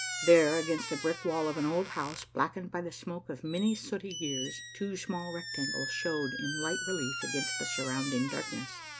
There, against the brick wall of an old house, blackened by the smoke of many sooty years, two small rectangles showed in light relief against the surrounding darkness.